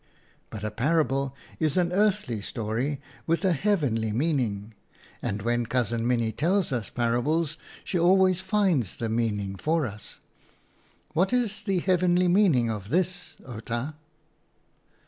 " But a parable is an earthly story with a heavenly meaning, and when Cousin Minnie tells us parables she always finds the mean ing for us. What is the heavenly meaning of this, Outa ?